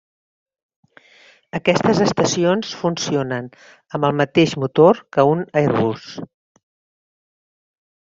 Aquestes estacions funcionen amb el mateix motor que un Airbus.